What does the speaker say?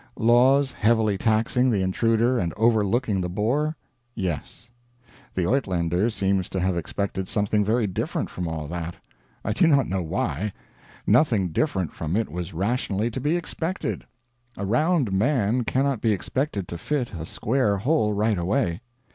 Laws heavily taxing the intruder and overlooking the Boer? Yes. The Uitlander seems to have expected something very different from all that. I do not know why. Nothing different from it was rationally to be expected. A round man cannot be expected to fit a square hole right away.